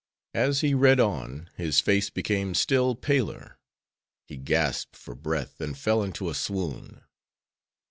As he read on, his face became still paler; he gasped for breath and fell into a swoon.